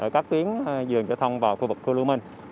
các tuyến dường cho thông vào khu vực khu lưu minh